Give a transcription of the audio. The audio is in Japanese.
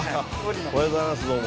おはようございますどうも。